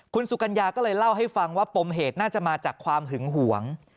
คุณสุกัญญาก็เลยเล่าให้ฟังว่าปมเหตุน่าจะมาจากความหึงหวง